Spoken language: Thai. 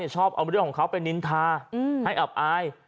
ชอบเอาเรื่องของเขาไปนินทาให้อับอาย